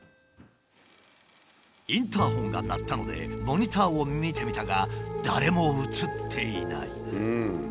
インターホンが鳴ったのでモニターを見てみたが誰も映っていない。